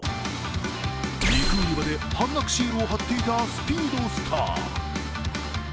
肉売り場で半額シールを貼っていたスピードスター。